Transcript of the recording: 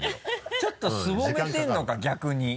ちょっとすぼめてるのか逆に。